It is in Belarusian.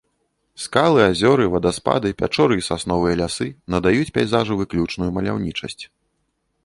Скалы, азёры, вадаспады, пячоры і сасновыя лясы надаюць пейзажу выключную маляўнічасць.